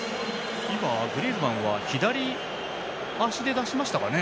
今、グリーズマンは左足で出しましたかね。